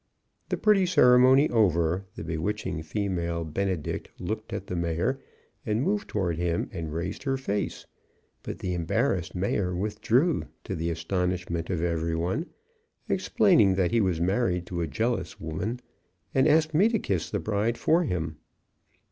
The pretty ceremony over, the bewitching female benedict looked at the Mayor, and moved toward him, and raised her face, but the embarrassed Mayor withdrew, to the astonishment of everyone, explaining that he was married to a jealous woman, and asked me to kiss the bride for him.